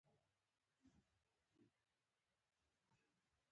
هغه لوښي چې د اچار او مربا لپاره کارول کېږي باید غوړ نه وي.